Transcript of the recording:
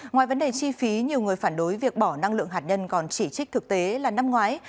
ngoài vấn đề chi phí nhiều người phản đối việc bỏ năng lượng hạt nhân còn chỉ trích thực tế là năm ngoái